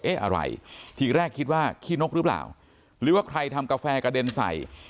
อะไรทีแรกคิดว่าขี้นกหรือเปล่าหรือว่าใครทำกาแฟกระเด็นใส่